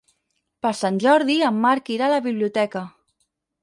Per Sant Jordi en Marc irà a la biblioteca.